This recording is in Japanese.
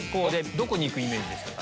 どこに行くイメージでしたか？